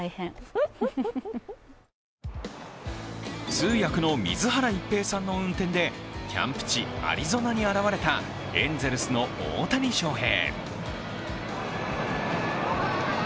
通訳の水原一平さんの運転でキャンプ地・アリゾナに現れたエンゼルスの大谷翔平。